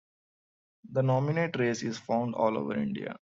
The nominate race is found all over India.